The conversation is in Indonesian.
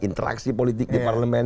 interaksi politik di parlemen